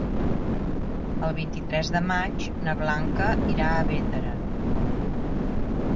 El vint-i-tres de maig na Blanca irà a Bétera.